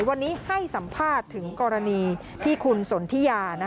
วันนี้ให้สัมภาษณ์ถึงกรณีที่คุณสนทิยา